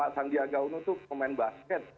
sang diaga uno itu main basket